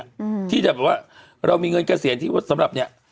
อืมที่จะแบบว่าเรามีเงินเกษียณที่ว่าสำหรับเนี้ย